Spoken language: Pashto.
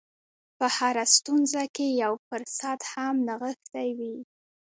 په هره ستونزه کې یو فرصت هم نغښتی وي